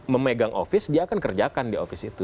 memegang office dia akan kerjakan di office itu